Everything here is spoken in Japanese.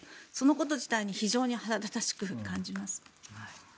そのこと自体に非常に腹立たしく感じます。